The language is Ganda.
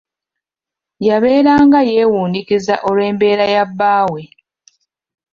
Yabeeranga yeewuniikiriza olw'embeera ya bbaawe.